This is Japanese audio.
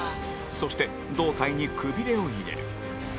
そして胴体にくびれを入れる